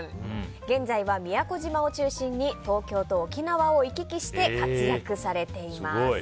現在は宮古島を中心に東京と沖縄を行き来して活躍されています。